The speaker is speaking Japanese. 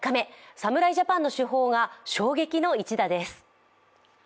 侍ジャパンの主砲が衝撃の一打です。